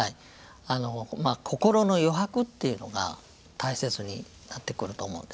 あの心の余白っていうのが大切になってくると思うんですね。